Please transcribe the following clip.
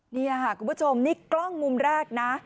นี่ค่ะคุณผู้ชมนี่กล้องมุมแรกนะ